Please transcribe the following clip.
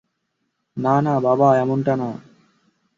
না না বাবা, এমনটা না।